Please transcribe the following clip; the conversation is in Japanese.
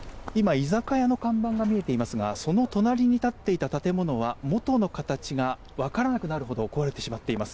居酒屋の看板が見えていますがその隣に建っていた建物は元の形が分からなくなるほど壊れてしまっています。